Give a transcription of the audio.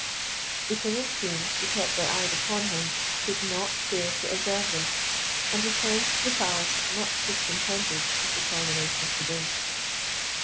The King and Queen, who kept their eyes upon him, could not fail to observe this, and returned to the Palace much discontented with the termination of the day.